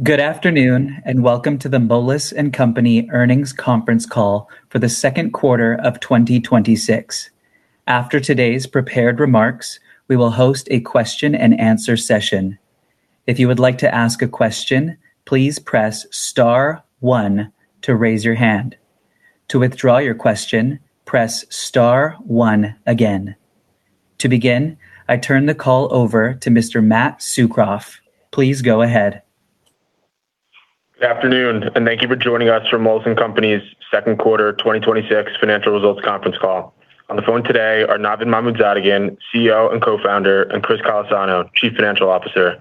Good afternoon, and welcome to the Moelis & Company Earnings Conference Call for the Q2 of 2026. After today's prepared remarks, we will host a question and answer session. If you would like to ask a question, please press star one to raise your hand. To withdraw your question, press star one again. To begin, I turn the call over to Mr. Matt Tsukroff. Please go ahead. Good afternoon, and thank you for joining us for Moelis & Company's Q2 2026 Financial Results Conference Call. On the phone today are Navid Mahmoodzadegan, CEO and Co-Founder, and Chris Callesano, Chief Financial Officer.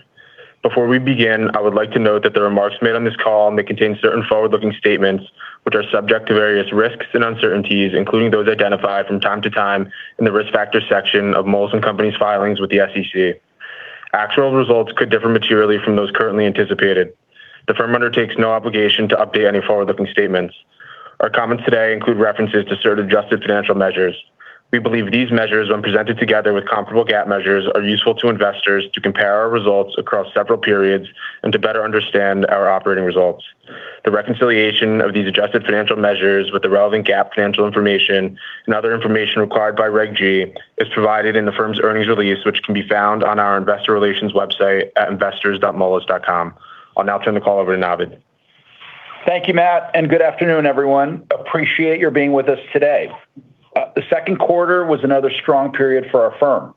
Before we begin, I would like to note that the remarks made on this call may contain certain forward-looking statements, which are subject to various risks and uncertainties, including those identified from time to time in the risk factor section of Moelis & Company's filings with the SEC. Actual results could differ materially from those currently anticipated. The firm undertakes no obligation to update any forward-looking statements. Our comments today include references to certain adjusted financial measures. We believe these measures, when presented together with comparable GAAP measures, are useful to investors to compare our results across several periods and to better understand our operating results. The reconciliation of these adjusted financial measures with the relevant GAAP financial information and other information required by Regulation G is provided in the firm's earnings release, which can be found on our investorrelations.moelis.com. I'll now turn the call over to Navid. Thank you, Matt, and good afternoon, everyone. Appreciate your being with us today. The Q2 was another strong period for our firm.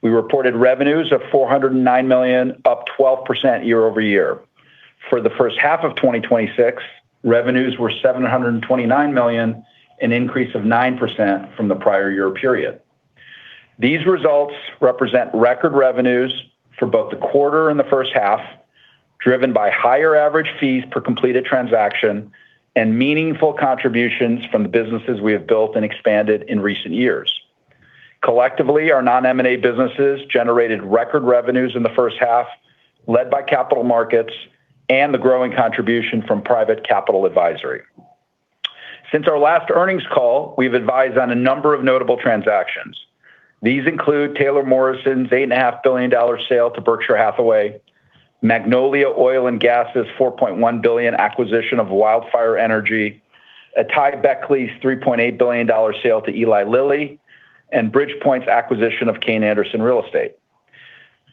We reported revenues of $409 million, up 12% year-over-year. For the H1 of 2026, revenues were $729 million, an increase of 9% from the prior year period. These results represent record revenues for both the quarter and the first half, driven by higher average fees per completed transaction and meaningful contributions from the businesses we have built and expanded in recent years. Collectively, our non-M&A businesses generated record revenues in the first half, led by capital markets and the growing contribution from private capital advisory. Since our last earnings call, we've advised on a number of notable transactions. These include Taylor Morrison's $8.5 billion sale to Berkshire Hathaway, Magnolia Oil & Gas's $4.1 billion acquisition of WildFire Energy, AtaiBeckley's $3.8 billion sale to Eli Lilly, and Bridgepoint's acquisition of Kayne Anderson Real Estate.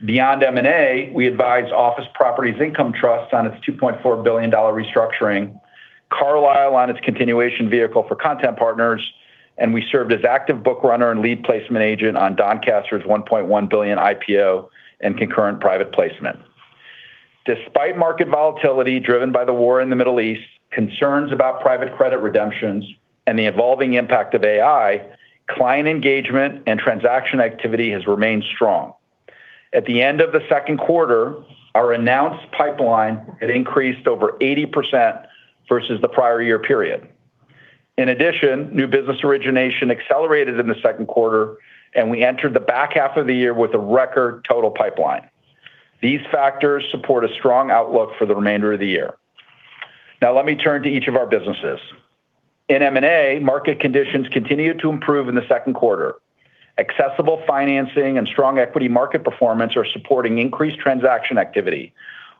Beyond M&A, we advised Office Properties Income Trust on its $2.4 billion restructuring, Carlyle on its continuation vehicle for content partners, and we served as active bookrunner and lead placement agent on Doncasters' $1.1 billion IPO and concurrent private placement. Despite market volatility driven by the war in the Middle East, concerns about private credit redemptions, and the evolving impact of AI, client engagement and transaction activity has remained strong. At the end of the second quarter, our announced pipeline had increased over 80% versus the prior year period. In addition, new business origination accelerated in the Q2, and we entered the back half of the year with a record total pipeline. These factors supports strong outlook for the end of the year. Let me turn to each of our businesses. In M&A, market conditions continued to improve in the second quarter. Accessible financing and strong equity market performance are supporting increased transaction activity,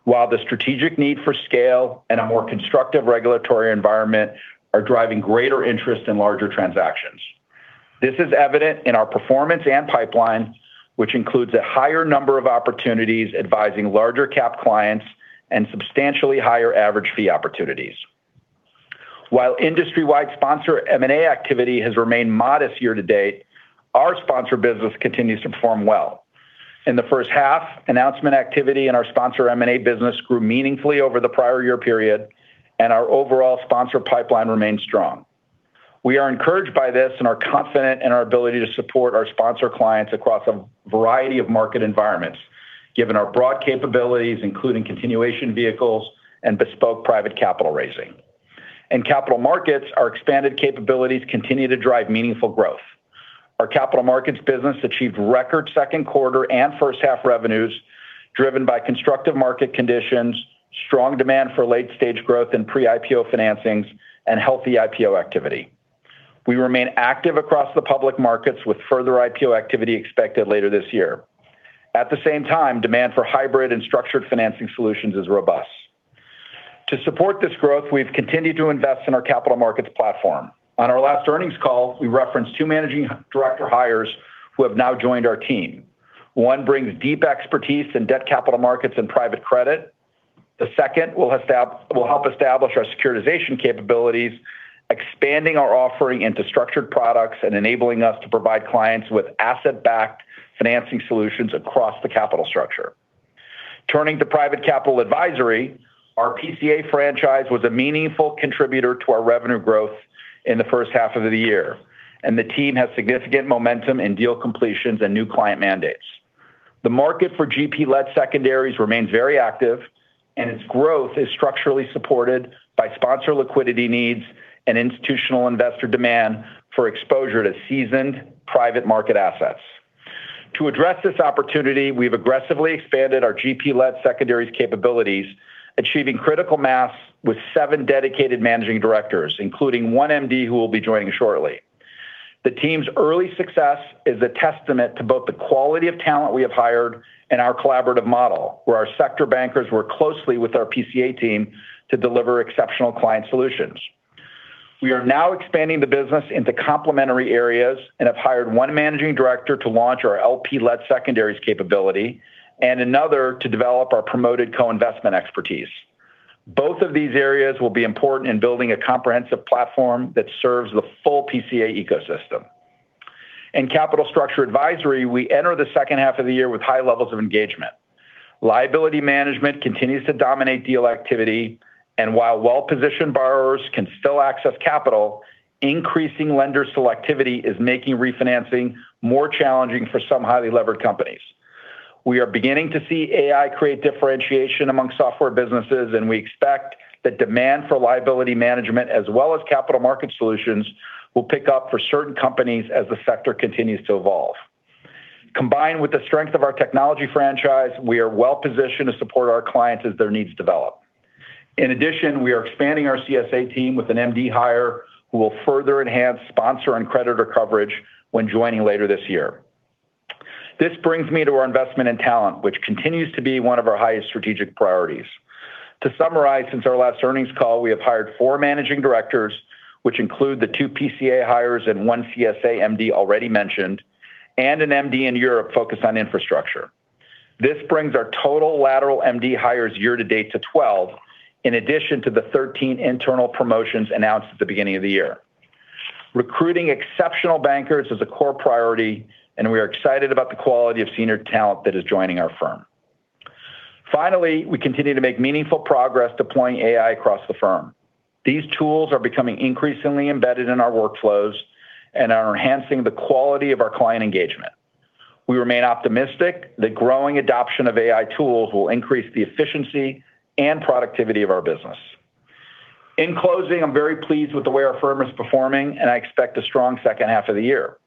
while the strategic need for scale and a more constructive regulatory environment are driving greater interest in larger transactions. This is evident in our performance and pipeline, which includes a higher number of opportunities advising larger cap clients and substantially higher average fee opportunities. While industry-wide sponsor M&A activity has remained modest year-to-date, our sponsor business continues to perform well. In the first half, announcement activity in our sponsor M&A business grew meaningfully over the prior year period, and our overall sponsor pipeline remains strong. We are encouraged by this and are confident in our ability to support our sponsor clients across a variety of market environments, given our broad capabilities, including continuation vehicles and bespoke private capital raising. In capital markets, our expanded capabilities continue to drive meaningful growth. Our capital markets business achieved record second quarter and first-half revenues driven by constructive market conditions, strong demand for late-stage growth and pre-IPO financings, and healthy IPO activity. We remain active across the public markets, with further IPO activity expected later this year. At the same time, demand for hybrid and structured financing solutions is robust. To support this growth, we've continued to invest in our capital markets platform. On our last earnings call, we referenced two managing director hires who have now joined our team. One brings deep expertise in debt capital markets and private credit. The second will help establish our securitization capabilities, expanding our offering into structured products and enabling us to provide clients with asset-backed financing solutions across the capital structure. Turning to private capital advisory, our PCA franchise was a meaningful contributor to our revenue growth in the H1 of the year, and the team has significant momentum in deal completions and new client mandates. The market for GP-led secondaries remains very active, and its growth is structurally supported by sponsor liquidity needs and institutional investor demand for exposure to seasoned private market assets. To address this opportunity, we've aggressively expanded our GP-led secondaries capabilities, achieving critical mass with seven dedicated managing directors, including one MD who will be joining shortly. The team's early success is a testament to both the quality of talent we have hired and our collaborative model, where our sector bankers work closely with our PCA team to deliver exceptional client solutions. We are now expanding the business into complementary areas and have hired one managing director to launch our LP-led secondaries capability, and another to develop our promoted co-investment expertise. Both of these areas will be important in building a comprehensive platform that serves the full PCA ecosystem. In capital structure advisory, we enter the H2 of the year with high levels of engagement. Liability management continues to dominate deal activity, and while well-positioned borrowers can still access capital, increasing lender selectivity is making refinancing more challenging for some highly levered companies. We are beginning to see AI create differentiation among software businesses. We expect that demand for liability management as well as capital market solutions will pick up for certain companies as the sector continues to evolve. Combined with the strength of our technology franchise, we are well-positioned to support our clients as their needs develop. In addition, we are expanding our CSA team with an MD hire who will further enhance sponsor and creditor coverage when joining later this year. This brings me to our investment in talent, which continues to be one of our highest strategic priorities. To summarize since our last earnings call, we have hired four managing directors, which include the two PCA hires and one CSA MD already mentioned, and an MD in Europe focused on infrastructure. This brings our total lateral MD hires year to date to 12, in addition to the 13 internal promotions announced at the beginning of the year. Recruiting exceptional bankers is a core priority. We are excited about the quality of senior talent that is joining our firm. Finally, we continue to make meaningful progress deploying AI across the firm. These tools are becoming increasingly embedded in our workflows and are enhancing the quality of our client engagement. We remain optimistic that growing adoption of AI tools will increase the efficiency and productivity of our business. In closing, I'm very pleased with the way our firm is performing. I expect a strong H2 of the year.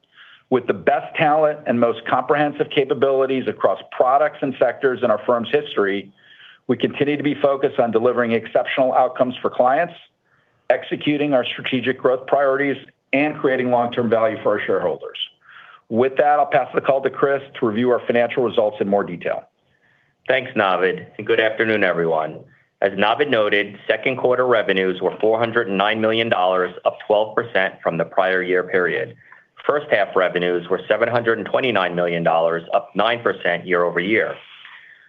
With the best talent and most comprehensive capabilities across products and sectors in our firm's history, we continue to be focused on delivering exceptional outcomes for clients, executing our strategic growth priorities, and creating long-term value for our shareholders. With that, I'll pass the call to Chris to review our financial results in more detail. Thanks, Navid, good afternoon, everyone. As Navid noted, second quarter revenues were $409 million, up 12% from the prior year period. First half revenues were $729 million, up 9% year-over-year.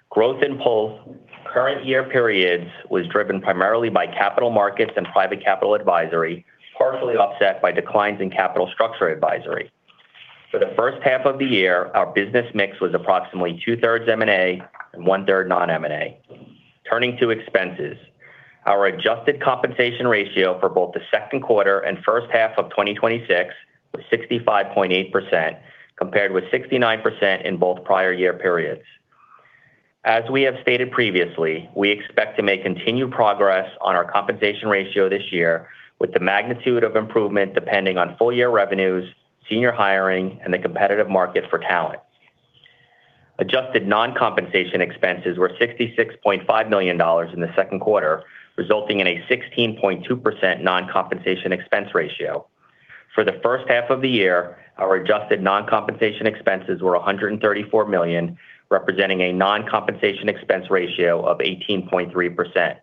Growth in full current year periods was driven primarily by capital markets and private capital advisory, partially offset by declines in capital structure advisory. For the H1 of the year, our business mix was approximately 2/3 M&A, and 1/3 non-M&A. Turning to expenses. Our adjusted compensation ratio for both the second quarter and H1 of 2026 was 65.8%, compared with 69% in both prior year periods. As we have stated previously, we expect to make continued progress on our compensation ratio this year with the magnitude of improvement depending on full-year revenues, senior hiring, and the competitive market for talent. Adjusted non-compensation expenses were $66.5 million in the Q2, resulting in a 16.2% non-compensation expense ratio. For the H1 of the year, our adjusted non-compensation expenses were $134 million, representing a non-compensation expense ratio of 18.3%.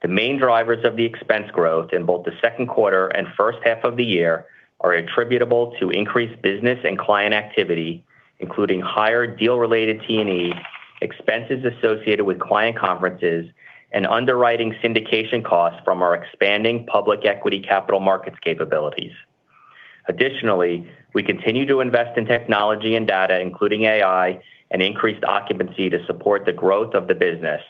The main drivers of the expense growth in both the Q2 and H1 of the year are attributable to increased business and client activity, including higher deal-related T&E, expenses associated with client conferences, and underwriting syndication costs from our expanding public equity capital markets capabilities. Additionally, we continue to invest in technology and data, including AI and increased occupancy to support the growth of the business.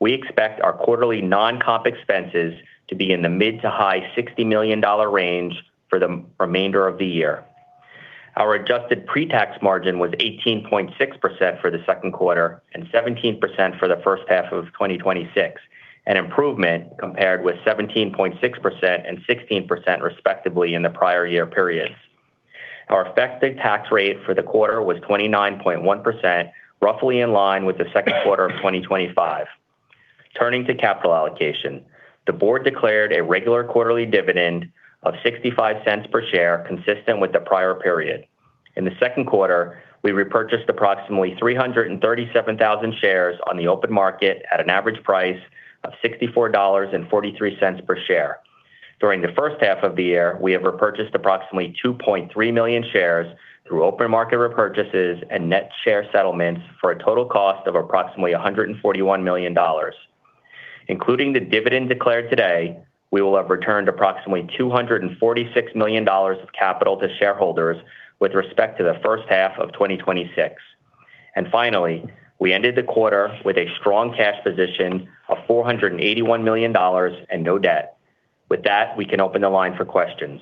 We expect our quarterly non-comp expenses to be in the mid to high $60 million range for the remainder of the year. Our adjusted pre-tax margin was 18.6% for the Q2 and 17% for the H1 of 2026, an improvement compared with 17.6% and 16% respectively in the prior year periods. Our effective tax rate for the quarter was 29.1%, roughly in line with the Q2 of 2025. Turning to capital allocation. The board declared a regular quarterly dividend of $0.65 per share, consistent with the prior period. In the Q2, we repurchased approximately 337,000 shares on the open market at an average price of $64.43 per share. During the H1 of the year, we have repurchased approximately 2.3 million shares through open market repurchases and net share settlements for a total cost of approximately $141 million. Including the dividend declared today, we will have returned approximately $246 million of capital to shareholders with respect to the H1 of 2026. Finally, we ended the quarter with a strong cash position of $481 million and no debt. With that, we can open the line for questions.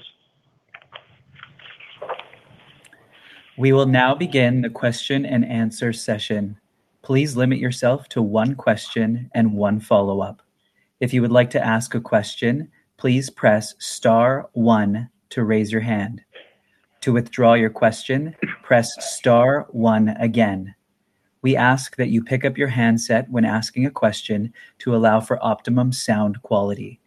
We will now begin the question and answer session. Please limit yourself to one question and one follow-up. If you would like to ask a question, please press star one to raise your hand. To withdraw your question, press star one again. We ask that you pick up your handset when asking a question to allow for optimum sound quality.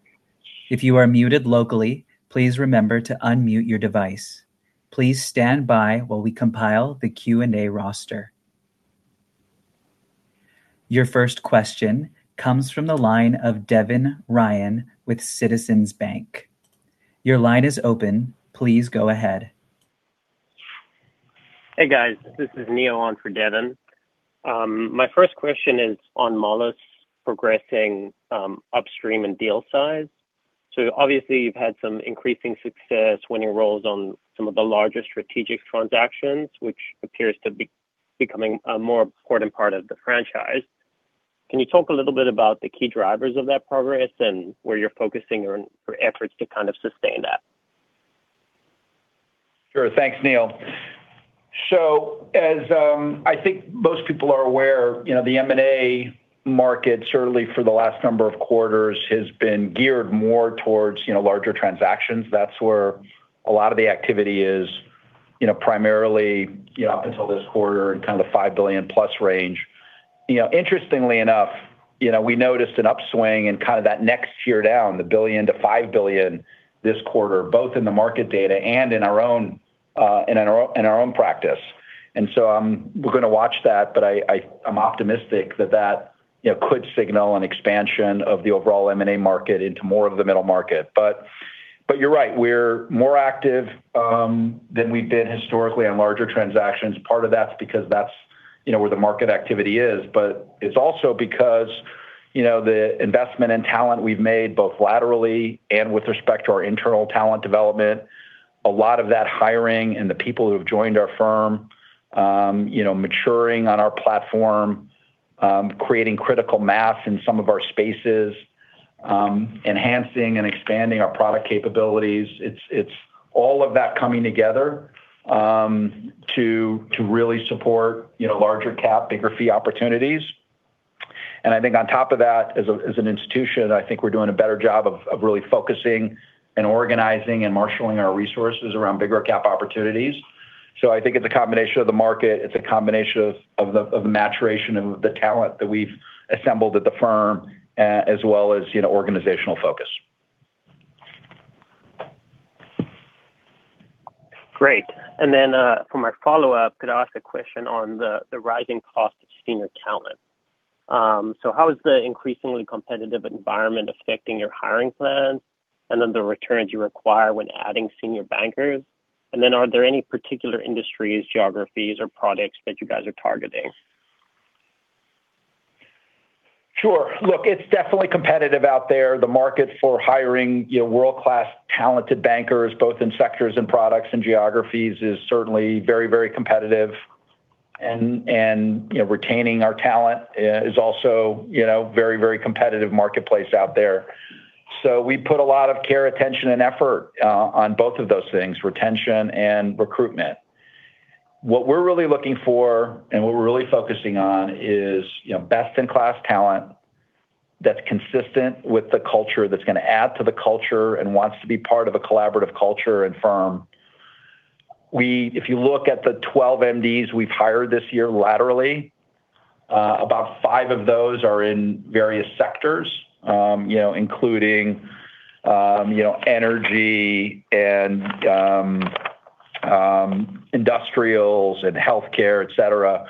If you are muted locally, please remember to unmute your device. Please stand by while we compile the Q&A roster. Your first question comes from the line of Devin Ryan with Citizens Bank. Your line is open. Please go ahead. Hey, guys. This is Neil on for Devin. My first question is on Moelis progressing upstream in deal size. Obviously you've had some increasing success winning roles on some of the larger strategic transactions, which appears to be becoming a more important part of the franchise. Can you talk a little bit about the key drivers of that progress and where you're focusing your efforts to kind of sustain that? Sure. Thanks, Neil. As I think most people are aware, the M&A market, certainly for the last number of quarters, has been geared more towards larger transactions. That's where a lot of the activity is, primarily up until this quarter in kind of the $5 billion-plus range. Interestingly enough, we noticed an upswing in kind of that next tier down, the $1 billion-$5 billion this quarter, both in the market data and in our own practice. We're going to watch that, but I'm optimistic that that could signal an expansion of the overall M&A market into more of the middle market. You're right, we're more active than we've been historically on larger transactions. Part of that's because that's where the market activity is, but it's also because the investment in talent we've made, both laterally and with respect to our internal talent development, a lot of that hiring and the people who have joined our firm maturing on our platform, creating critical mass in some of our spaces, enhancing and expanding our product capabilities. It's all of that coming together to really support larger cap, bigger fee opportunities. I think on top of that, as an institution, I think we're doing a better job of really focusing and organizing and marshaling our resources around bigger cap opportunities. I think it's a combination of the market. It's a combination of the maturation of the talent that we've assembled at the firm, as well as organizational focus. Great. For my follow-up, could I ask a question on the rising cost of senior talent? How is the increasingly competitive environment affecting your hiring plans, and the returns you require when adding senior bankers? Are there any particular industries, geographies, or products that you guys are targeting? Sure. Look, it's definitely competitive out there. The market for hiring world-class talented bankers, both in sectors and products and geographies, is certainly very competitive. Retaining our talent is also very competitive marketplace out there. We put a lot of care, attention, and effort on both of those things, retention and recruitment. What we're really looking for and what we're really focusing on is best-in-class talent that's consistent with the culture, that's going to add to the culture, and wants to be part of a collaborative culture and firm. If you look at the 12 MDs we've hired this year laterally, about five of those are in various sectors, including energy and industrials and healthcare, et cetera.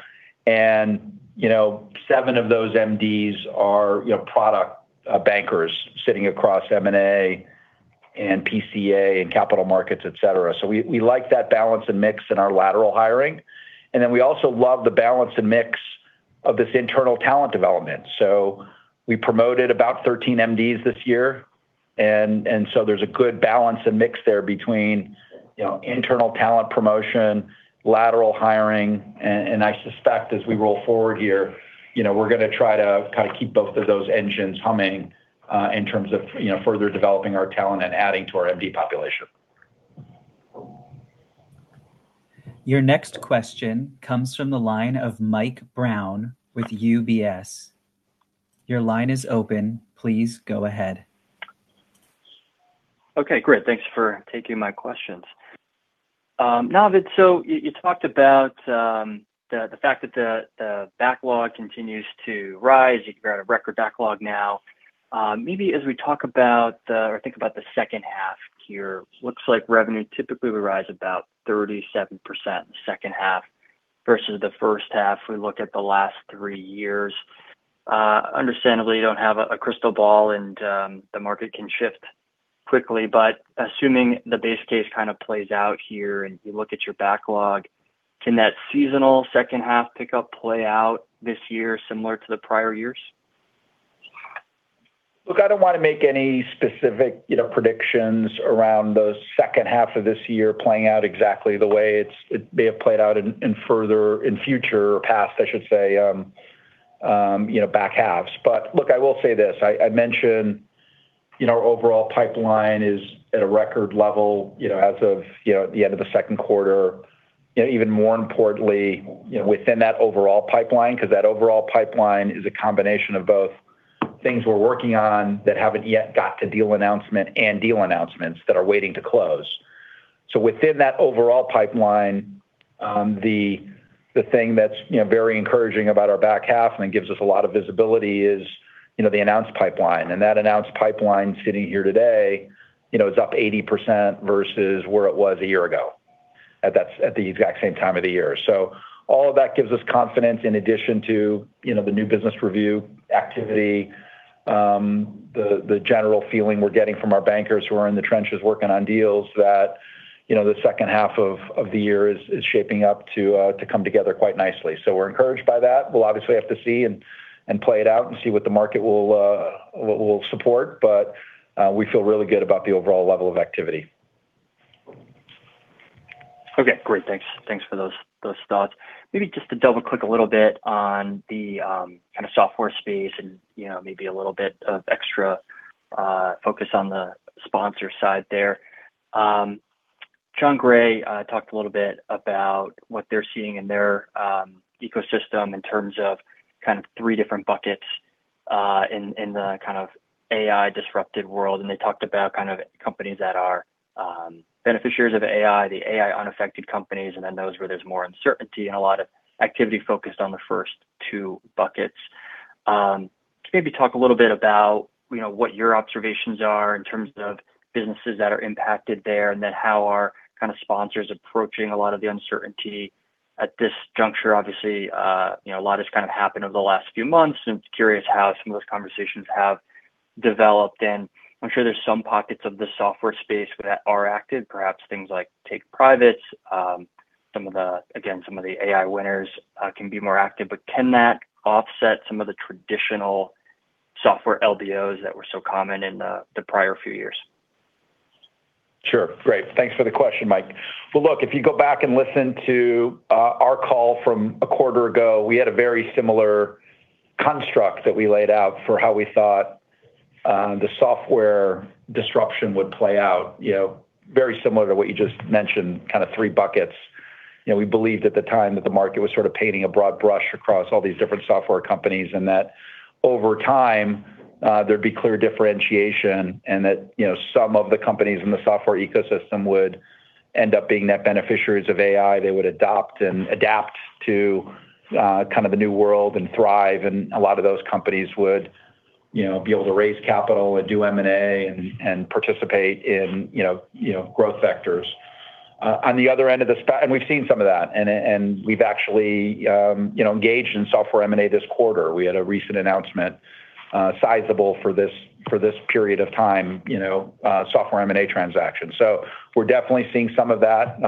Seven of those MDs are product bankers sitting across M&A and PCA and capital markets, et cetera. We like that balance and mix in our lateral hiring. We also love the balance and mix of this internal talent development. We promoted about 13 MDs this year, there's a good balance and mix there between internal talent promotion, lateral hiring, and I suspect as we roll forward here, we're going to try to kind of keep both of those engines humming in terms of further developing our talent and adding to our MD population. Your next question comes from the line of Mike Brown with UBS. Your line is open. Please go ahead. Okay, great. Thanks for taking my questions. Navid, you talked about the fact that the backlog continues to rise. You've got a record backlog now. Maybe as we talk about or think about the second half here, looks like revenue typically would rise about 37% in the second half versus the first half. We look at the last three years. Understandably, you don't have a crystal ball and the market can shift quickly. Assuming the base case kind of plays out here and you look at your backlog, can that seasonal second half pickup play out this year similar to the prior years? Look, I don't want to make any specific predictions around the H2 of this year playing out exactly the way they have played out in future or past, I should say, back halves. Look, I will say this. I mentioned our overall pipeline is at a record level as of the end of the second quarter. Even more importantly, within that overall pipeline, because that overall pipeline is a combination of both things we're working on that haven't yet got to deal announcement and deal announcements that are waiting to close. Within that overall pipeline, the thing that's very encouraging about our back half and gives us a lot of visibility is the announced pipeline. That announced pipeline sitting here today is up 80% versus where it was a year ago. At the exact same time of the year. All of that gives us confidence in addition to the new business review activity, the general feeling we're getting from our bankers who are in the trenches working on deals that the H2 of the year is shaping up to come together quite nicely. We're encouraged by that. We'll obviously have to see and play it out and see what the market will support, but we feel really good about the overall level of activity. Okay, great. Thanks for those thoughts. Maybe just to double-click a little bit on the kind of software space and maybe a little bit of extra focus on the sponsor side there. Jon Gray talked a little bit about what they're seeing in their ecosystem in terms of kind of three different buckets in the kind of AI disrupted world, and they talked about kind of companies that are beneficiaries of AI, the AI unaffected companies, and then those where there's more uncertainty and a lot of activity focused on the first two buckets. Then how are kind of sponsors approaching a lot of the uncertainty at this juncture? Obviously, a lot has kind of happened over the last few months. It's curious how some of those conversations have developed. I'm sure there's some pockets of the software space that are active, perhaps things like take privates. Again, some of the AI winners can be more active, but can that offset some of the traditional software LBOs that were so common in the prior few years? Sure. Great. Thanks for the question, Mike. Well, look, if you go back and listen to our call from a quarter ago, we had a very similar construct that we laid out for how we thought the software disruption would play out, very similar to what you just mentioned, kind of three buckets. We believed at the time that the market was sort of painting a broad brush across all these different software companies. That over time, there'd be clear differentiation. That some of the companies in the software ecosystem would end up being net beneficiaries of AI. They would adopt and adapt to kind of the new world and thrive. A lot of those companies would be able to raise capital and do M&A and participate in growth vectors. We've seen some of that. We've actually engaged in software M&A this quarter. We had a recent announcement sizable for this period of time software M&A transaction. We're definitely seeing some of that.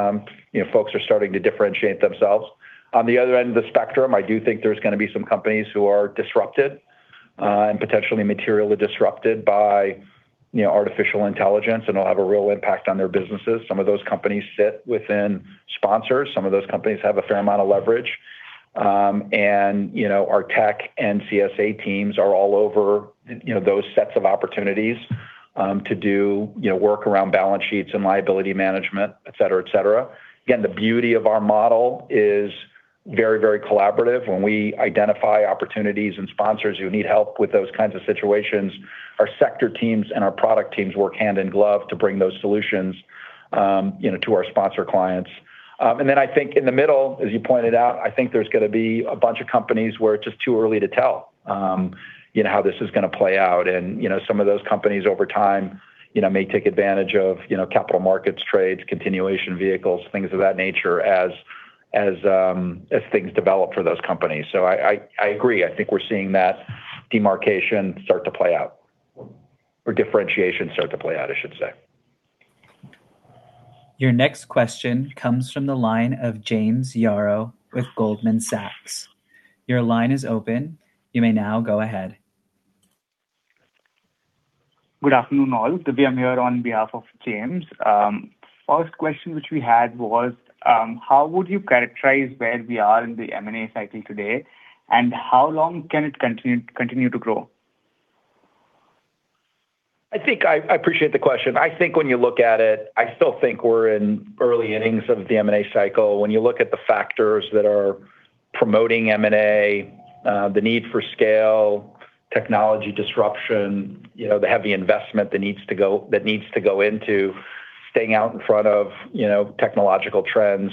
Folks are starting to differentiate themselves. On the other end of the spectrum, I do think there's going to be some companies who are disrupted and potentially materially disrupted by artificial intelligence. It'll have a real impact on their businesses. Some of those companies sit within sponsors. Some of those companies have a fair amount of leverage. Our tech and CSA teams are all over those sets of opportunities to do work around balance sheets and liability management, et cetera. Again, the beauty of our model is very collaborative. When we identify opportunities and sponsors who need help with those kinds of situations, our sector teams and our product teams work hand in glove to bring those solutions to our sponsor clients. I think in the middle, as you pointed out, I think there's going to be a bunch of companies where it's just too early to tell how this is going to play out. Some of those companies over time may take advantage of capital markets, trades, continuation vehicles, things of that nature as things develop for those companies. I agree. I think we're seeing that demarcation start to play out, or differentiation start to play out, I should say. Your next question comes from the line of James Yaro with Goldman Sachs. Your line is open. You may now go ahead. Good afternoon, all. Vidur Mathur on behalf of James. First question which we had was how would you characterize where we are in the M&A cycle today, and how long can it continue to grow? I appreciate the question. I think when you look at it, I still think we're in early innings of the M&A cycle. You look at the factors that are promoting M&A, the need for scale, technology disruption, the heavy investment that needs to go into staying out in front of technological trends.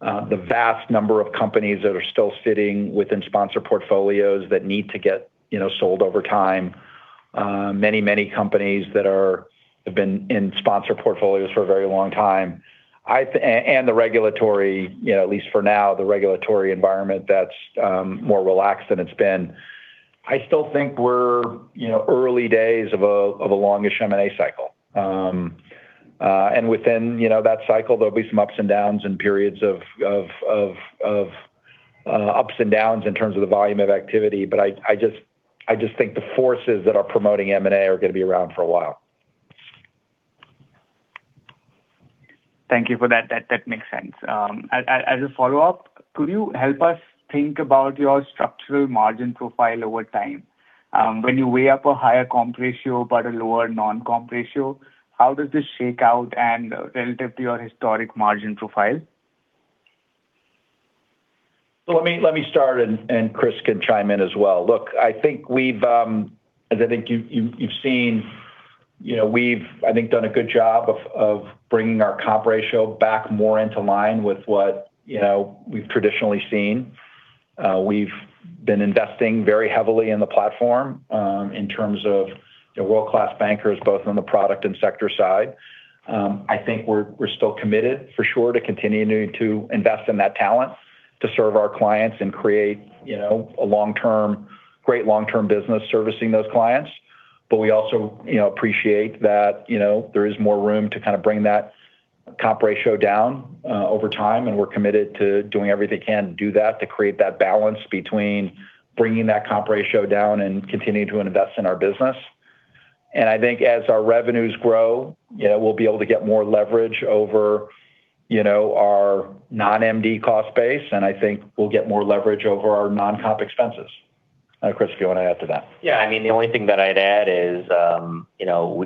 The vast number of companies that are still sitting within sponsor portfolios that need to get sold over time. Many companies that have been in sponsor portfolios for a very long time. At least for now, the regulatory environment that's more relaxed than it's been. I still think we're early days of a longest M&A cycle. Within that cycle, there'll be some ups and downs and periods of ups and downs in terms of the volume of activity. I just think the forces that are promoting M&A are going to be around for a while. Thank you for that. That makes sense. As a follow-up, could you help us think about your structural margin profile over time? When you weigh up a higher comp ratio but a lower non-comp ratio, how does this shake out and relative to your historic margin profile? Let me start, and Chris can chime in as well. Look, I think as you've seen, we've done a good job of bringing our comp ratio back more into line with what we've traditionally seen. We've been investing very heavily in the platform in terms of world-class bankers, both on the product and sector side. I think we're still committed for sure to continuing to invest in that talent to serve our clients and create a great long-term business servicing those clients. We also appreciate that there is more room to kind of bring that comp ratio down over time, and we're committed to doing everything we can to do that, to create that balance between bringing that comp ratio down and continuing to invest in our business. I think as our revenues grow, we'll be able to get more leverage over our non-MD cost base, and I think we'll get more leverage over our non-comp expenses. Chris, if you want to add to that. Yeah. The only thing that I'd add is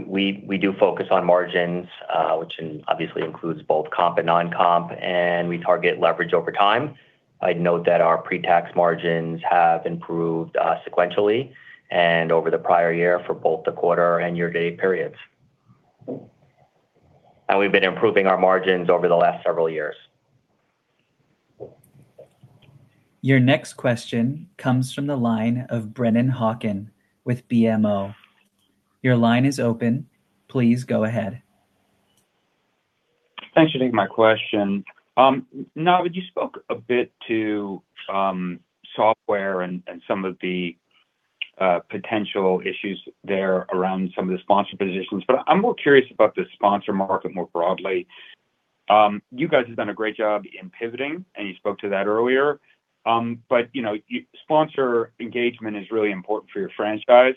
we do focus on margins, which obviously includes both comp and non-comp, and we target leverage over time. I'd note that our pre-tax margins have improved sequentially and over the prior year for both the quarter and year-to-date periods. And we've been improving our margins over the last several years. Your next question comes from the line of Brennan Hawken with BMO. Your line is open. Please go ahead. Thanks for taking my question. Navid, you spoke a bit to software and some of the potential issues there around some of the sponsor positions, but I'm more curious about the sponsor market more broadly. You guys have done a great job in pivoting, and you spoke to that earlier. But sponsor engagement is really important for your franchise.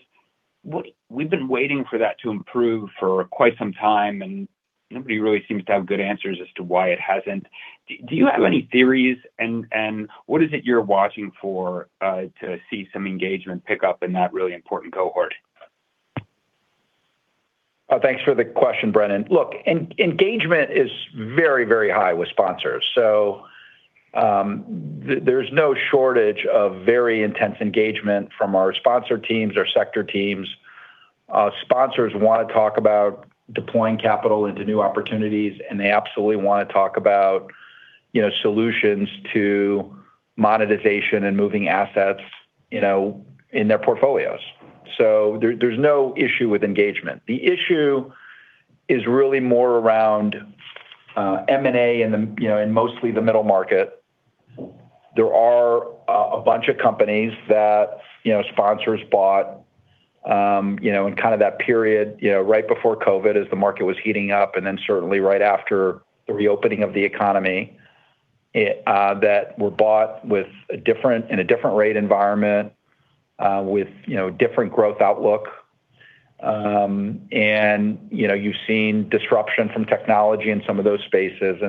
We've been waiting for that to improve for quite some time, and nobody really seems to have good answers as to why it hasn't. Do you have any theories, and what is it you're watching for to see some engagement pick up in that really important cohort? Thanks for the question, Brennan. Engagement is very high with sponsors. There's no shortage of very intense engagement from our sponsor teams, our sector teams. Sponsors want to talk about deploying capital into new opportunities, and they absolutely want to talk about solutions to monetization and moving assets in their portfolios. There's no issue with engagement. The issue is really more around M&A in mostly the middle market. There are a bunch of companies that sponsors bought in kind of that period right before COVID as the market was heating up, and then certainly right after the reopening of the economy that were bought in a different rate environment with different growth outlook. You've seen disruption from technology in some of those spaces.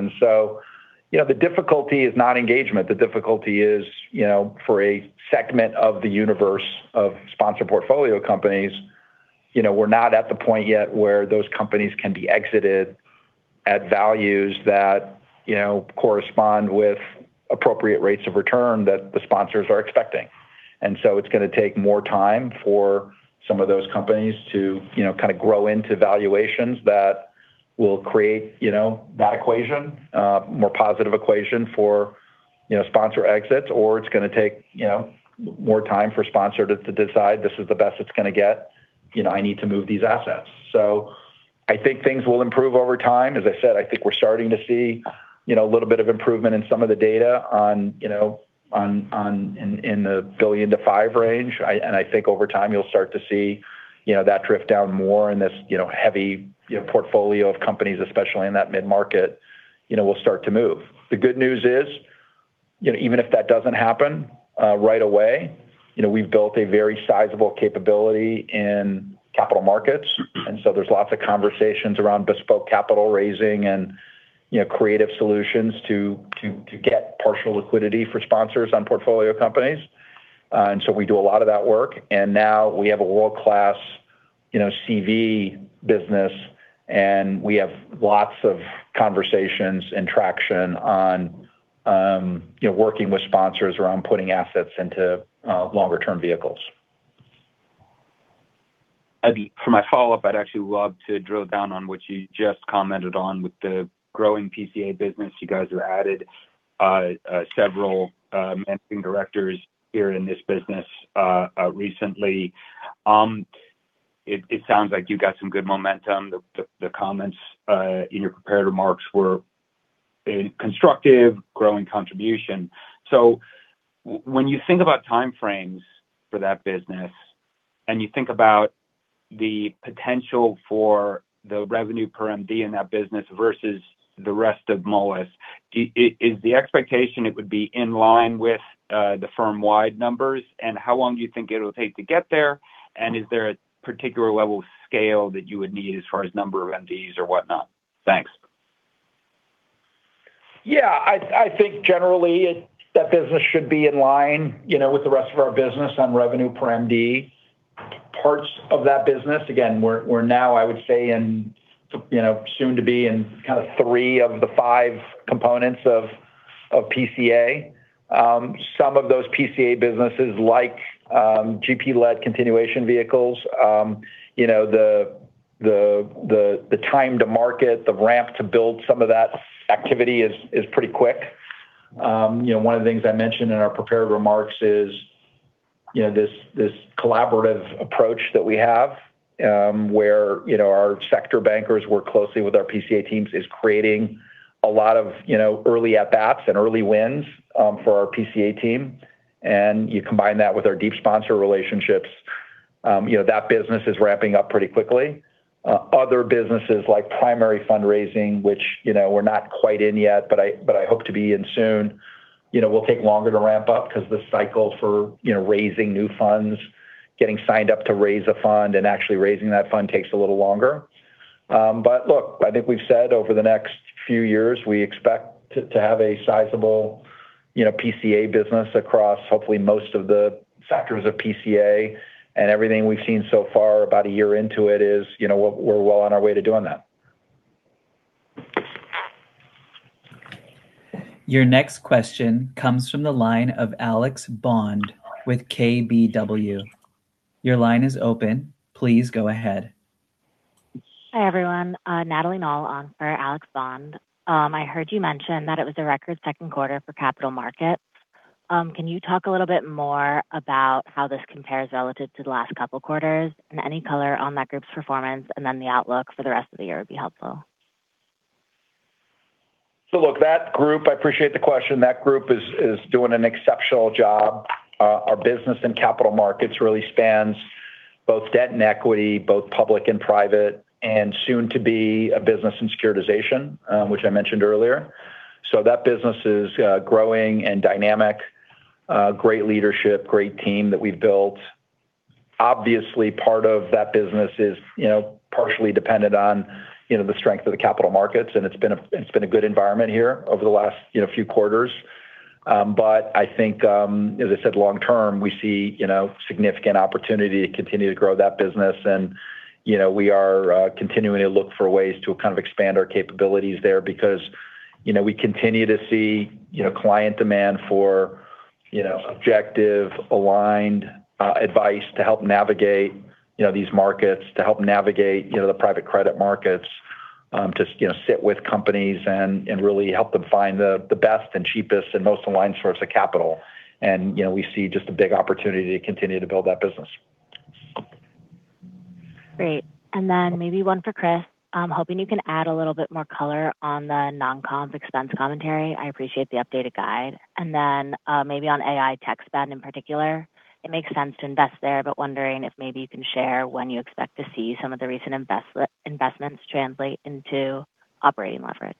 The difficulty is not engagement. The difficulty is for a segment of the universe of sponsor portfolio companies, we're not at the point yet where those companies can be exited at values that correspond with appropriate rates of return that the sponsors are expecting. It's going to take more time for some of those companies to kind of grow into valuations that will create that equation, a more positive equation for sponsor exits, or it's going to take more time for sponsor to decide this is the best it's going to get. I need to move these assets. I think things will improve over time. As I said, I think we're starting to see a little bit of improvement in some of the data in the $1 billion-$5 billion range. I think over time, you'll start to see that drift down more in this heavy portfolio of companies, especially in that mid-market will start to move. The good news is even if that doesn't happen right away, we've built a very sizable capability in capital markets. There's lots of conversations around bespoke capital raising and creative solutions to get partial liquidity for sponsors on portfolio companies. We do a lot of that work, and now we have a world-class CV business, and we have lots of conversations and traction on working with sponsors around putting assets into longer-term vehicles. For my follow-up, I'd actually love to drill down on what you just commented on with the growing PCA business. You guys have added several Managing Directors here in this business recently. It sounds like you got some good momentum. The comments in your prepared remarks were a constructive growing contribution. When you think about time frames for that business, and you think about the potential for the revenue per MD in that business versus the rest of Moelis, is the expectation it would be in line with the firm-wide numbers? How long do you think it'll take to get there? Is there a particular level of scale that you would need as far as number of MDs or whatnot? Thanks. Yeah. I think generally that business should be in line with the rest of our business on revenue per MD. Parts of that business, again, we're now, I would say, soon to be in kind of three of the five components of PCA. Some of those PCA businesses like GP-led continuation vehicles, the time to market, the ramp to build some of that activity is pretty quick. One of the things I mentioned in our prepared remarks is this collaborative approach that we have where our sector bankers work closely with our PCA teams is creating a lot of early at-bats and early wins for our PCA team. You combine that with our deep sponsor relationships, that business is ramping up pretty quickly. Other businesses like primary fundraising, which we're not quite in yet, but I hope to be in soon, will take longer to ramp up because the cycle for raising new funds, getting signed up to raise a fund, and actually raising that fund takes a little longer. Look, I think we've said over the next few years, we expect to have a sizable PCA business across hopefully most of the sectors of PCA, and everything we've seen so far about a year into it is we're well on our way to doing that. Your next question comes from the line of Alex Bond with KBW. Your line is open. Please go ahead. Hi, everyone. Natalie Null on for Alex Bond. I heard you mention that it was a record Q2 for capital markets. Can you talk a little bit more about how this compares relative to the last couple quarters, and any color on that group's performance and then the outlook for the rest of the year would be helpful. Look, I appreciate the question. That group is doing an exceptional job. Our business in capital markets really spans both debt and equity, both public and private, and soon to be a business in securitization, which I mentioned earlier. That business is growing and dynamic. Great leadership, great team that we've built. Obviously, part of that business is partially dependent on the strength of the capital markets, and it's been a good environment here over the last few quarters. I think as I said, long term, we see significant opportunity to continue to grow that business, and we are continuing to look for ways to kind of expand our capabilities there because we continue to see client demand for objective, aligned advice to help navigate these markets, to help navigate the private credit markets, to sit with companies and really help them find the best and cheapest and most aligned source of capital. We see just a big opportunity to continue to build that business. Great. Then maybe one for Chris. I'm hoping you can add a little bit more color on the non-comp expense commentary. I appreciate the updated guide. Then maybe on AI tech spend in particular. It makes sense to invest there, wondering if maybe you can share when you expect to see some of the recent investments translate into operating leverage.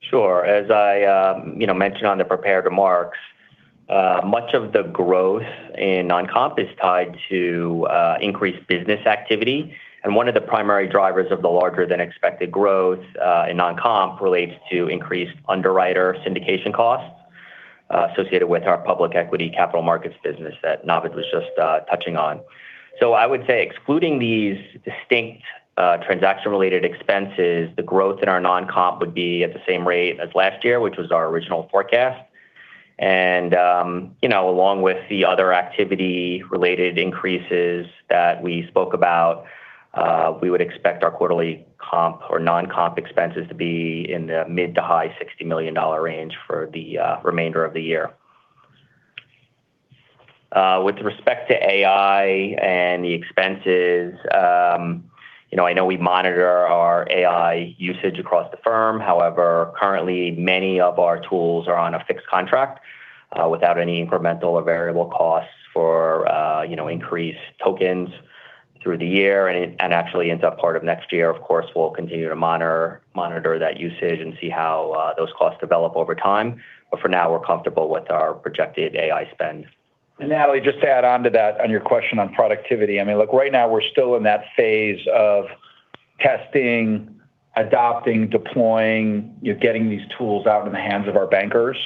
Sure. As I mentioned on the prepared remarks, much of the growth in non-comp is tied to increased business activity, and one of the primary drivers of the larger than expected growth in non-comp relates to increased underwriter syndication costs associated with our public equity capital markets business that Navid was just touching on. I would say excluding these distinct transaction-related expenses, the growth in our non-comp would be at the same rate as last year, which was our original forecast. Along with the other activity-related increases that we spoke about, we would expect our quarterly comp or non-comp expenses to be in the mid to high $60 million range for the remainder of the year. With respect to AI and the expenses, I know we monitor our AI usage across the firm. However, currently many of our tools are on a fixed contract without any incremental or variable costs for increased tokens through the year, actually into part of next year. Of course, we'll continue to monitor that usage and see how those costs develop over time. For now, we're comfortable with our projected AI spend. Natalie, just to add on to that on your question on productivity. Right now we're still in that phase of testing, adopting, deploying, getting these tools out in the hands of our bankers.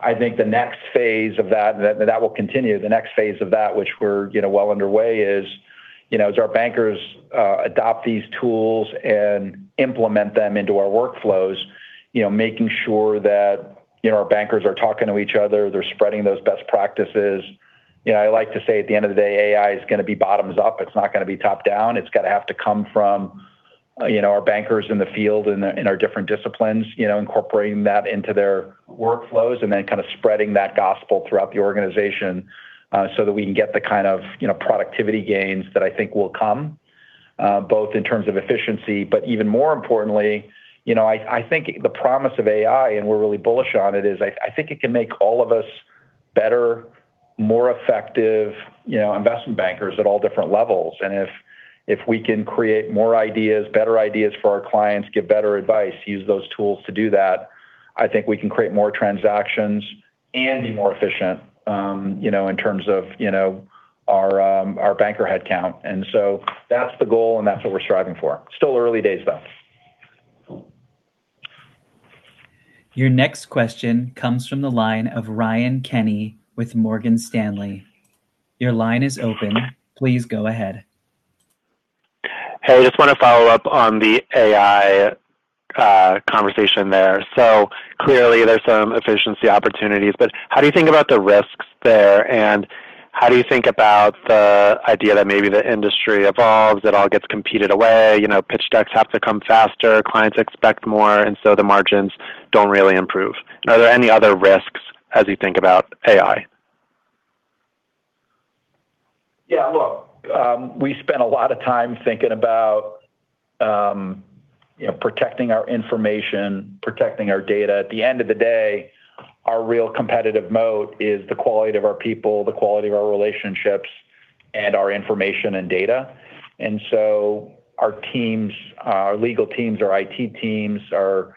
I think the next phase of that, and that will continue, the next phase of that, which we're well underway is, as our bankers adopt these tools and implement them into our workflows, making sure that our bankers are talking to each other, they're spreading those best practices. I like to say at the end of the day, AI is going to be bottoms up. It's not going to be top down. It's got to have to come from our bankers in the field in our different disciplines, incorporating that into their workflows, and then kind of spreading that gospel throughout the organization so that we can get the kind of productivity gains that I think will come, both in terms of efficiency. Even more importantly, I think the promise of AI, and we're really bullish on it, is I think it can make all of us better, more effective investment bankers at all different levels. If we can create more ideas, better ideas for our clients, give better advice, use those tools to do that, I think we can create more transactions and be more efficient in terms of our banker headcount. That's the goal, and that's what we're striving for. Still early days, though. Your next question comes from the line of Ryan Kenny with Morgan Stanley. Your line is open. Please go ahead. Hey, just want to follow up on the AI conversation there. Clearly there's some efficiency opportunities, but how do you think about the risks there, and how do you think about the idea that maybe the industry evolves, it all gets competed away, pitch decks have to come faster, clients expect more, the margins don't really improve? Are there any other risks as you think about AI? Yeah, look, we spend a lot of time thinking about protecting our information, protecting our data. At the end of the day, our real competitive moat is the quality of our people, the quality of our relationships, and our information and data. Our teams, our legal teams, our IT teams, the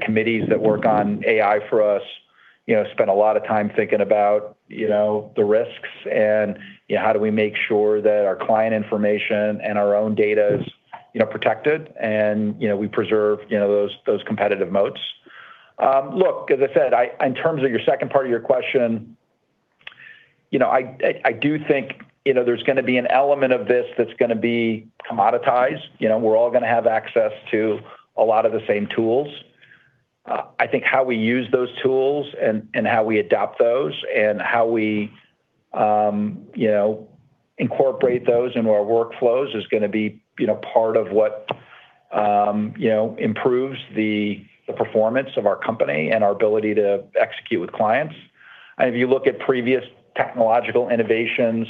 committees that work on AI for us spend a lot of time thinking about the risks and how do we make sure that our client information and our own data is protected, and we preserve those competitive moats. Look, as I said, in terms of your second part of your question, I do think there's going to be an element of this that's going to be commoditized. We're all going to have access to a lot of the same tools. I think how we use those tools and how we adopt those and how we incorporate those into our workflows is going to be part of what improves the performance of our company and our ability to execute with clients. If you look at previous technological innovations,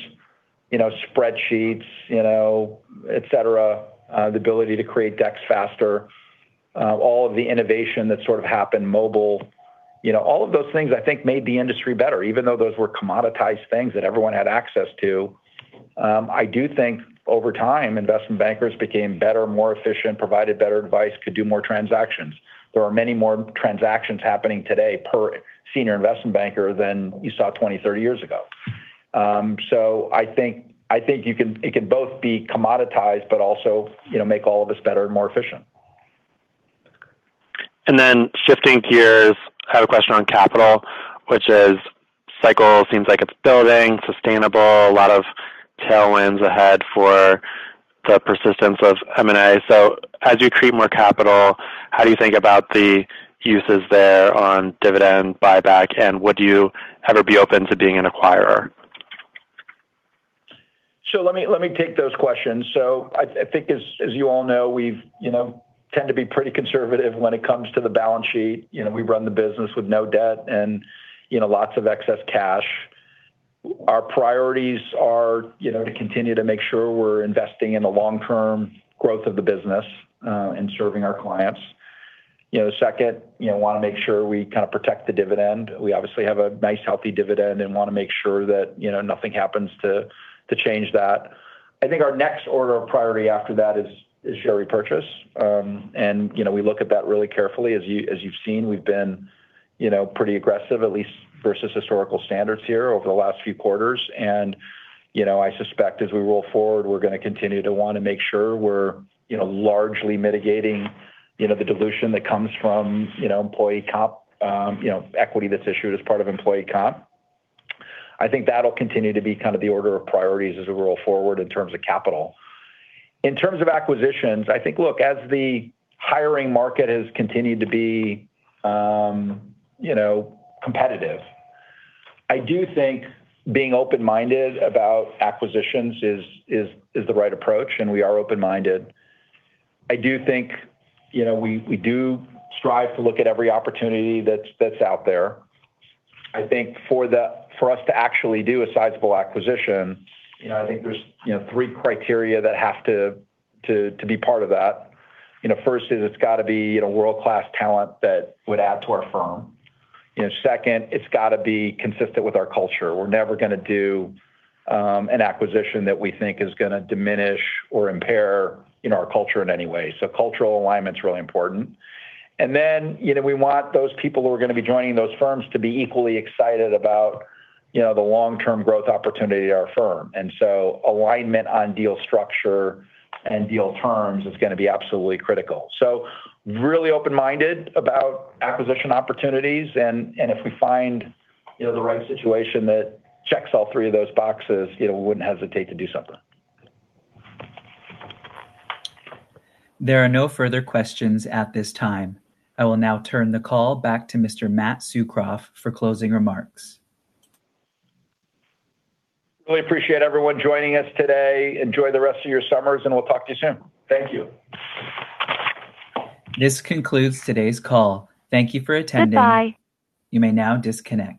spreadsheets, et cetera, the ability to create decks faster, all of the innovation that sort of happened mobile, all of those things I think made the industry better even though those were commoditized things that everyone had access to. I do think over time, investment bankers became better, more efficient, provided better advice, could do more transactions. There are many more transactions happening today per senior investment banker than you saw 20, 30 years ago. I think it can both be commoditized, also make all of us better and more efficient. Shifting gears, I have a question on capital, which is cycle seems like it's building, sustainable, a lot of tailwinds ahead for the persistence of M&A. As you create more capital, how do you think about the uses there on dividend buyback, would you ever be open to being an acquirer? Let me take those questions. I think as you all know, we tend to be pretty conservative when it comes to the balance sheet. We run the business with no debt and lots of excess cash. Our priorities are to continue to make sure we're investing in the long-term growth of the business, and serving our clients. Second, want to make sure we kind of protect the dividend. We obviously have a nice, healthy dividend and want to make sure that nothing happens to change that. I think our next order of priority after that is share repurchase. We look at that really carefully. As you've seen, we've been pretty aggressive, at least versus historical standards here over the last few quarters. I suspect as we roll forward, we're going to continue to want to make sure we're largely mitigating the dilution that comes from equity that's issued as part of employee comp. I think that'll continue to be kind of the order of priorities as we roll forward in terms of capital. In terms of acquisitions, I think, look, as the hiring market has continued to be competitive, I do think being open-minded about acquisitions is the right approach, and we are open-minded. I do think we do strive to look at every opportunity that's out there. I think for us to actually do a sizable acquisition, I think there's three criteria that have to be part of that. First is it's got to be world-class talent that would add to our firm. Second, it's got to be consistent with our culture. We're never going to do an acquisition that we think is going to diminish or impair our culture in any way. Cultural alignment's really important. We want those people who are going to be joining those firms to be equally excited about the long-term growth opportunity at our firm. Alignment on deal structure and deal terms is going to be absolutely critical. Really open-minded about acquisition opportunities, and if we find the right situation that checks all three of those boxes, we wouldn't hesitate to do something. There are no further questions at this time. I will now turn the call back to Mr. Matt Tsukroff for closing remarks. Really appreciate everyone joining us today. Enjoy the rest of your summers, and we'll talk to you soon. Thank you. This concludes today's call. Thank you for attending. You may now disconnect.